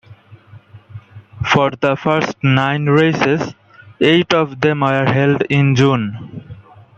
For the first nine races, eight of them were held in June.